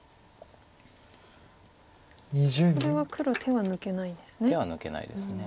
これは黒手は抜けないんですね。